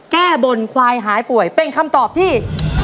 แก้บนควายหายป่วยเป็นคำตอบที่